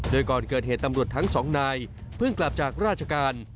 โดยก่อนเกิดเหตุตำรวจทั้งสองนายเพิ่งกลับจากราชการ